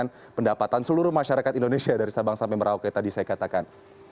dengan pendapatan seluruh masyarakat indonesia dari sabang sampai merauke tadi saya katakan